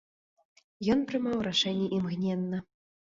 Ён прымаў рашэнні імгненна.